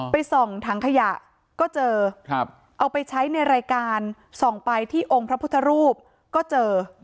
ส่องถังขยะก็เจอเอาไปใช้ในรายการส่องไปที่องค์พระพุทธรูปก็เจอ